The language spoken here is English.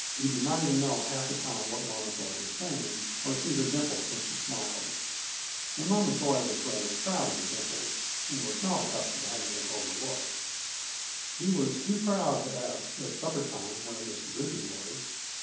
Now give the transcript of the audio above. He did not even know half the time what Mama Joy was saying, or see her dimples when she smiled; and Mama Joy was rather proud of her dimples and was not accustomed to having them overlooked. He was too proud to ask, at supper time, where Miss Bridger was.